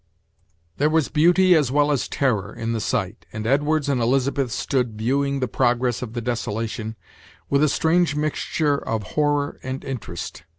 There was beauty as well as terror in the sight, and Edwards and Elizabeth stood viewing the progress of the desolation, with a strange mixture of horror and interest.